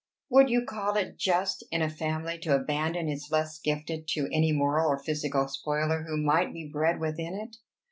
Would you call it just in a family to abandon its less gifted to any moral or physical spoiler who might be bred within it?